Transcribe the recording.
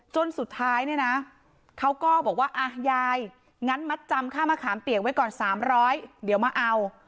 จนสุดท้ายเนี่ยนะเขาก็บอกว่าอ่ะยายงั้นมัดจำค่ามะขามเปียกไว้ก่อน๓๐๐เดี๋ยวมาเอา